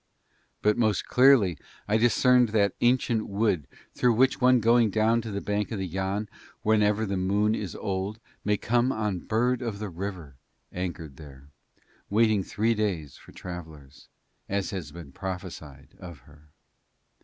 But most clearly I discerned that ancient wood through which one going down to the bank of Yann whenever the moon is old may come on Bird of the River anchored there, waiting three days for travellers, as has been prophesied of her.